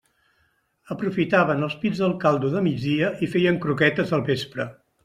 Aprofitaven els pits del caldo de migdia i feien croquetes al vespre.